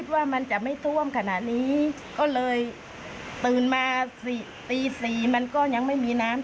ว่ามันจะไม่ท่วมขนาดนี้ก็เลยตื่นมาตี๔มันก็ยังไม่มีน้ำ